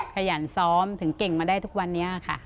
ขยันซ้อมถึงเก่งมาได้ทุกวันนี้ค่ะ